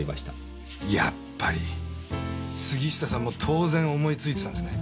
やっぱり杉下さんも当然思いついてたんですね。